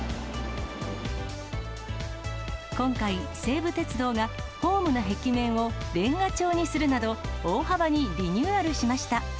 今回、西武鉄道がホームの壁面をれんが調にするなど、大幅にリニューアルしました。